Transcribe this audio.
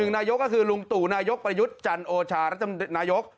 นายกก็คือลุงตู่นายกประยุทธ์จันโอชารัฐนายก